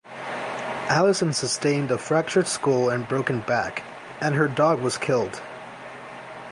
Allyson sustained a fractured skull and broken back, and her dog was killed.